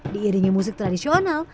diiringi musik tradisional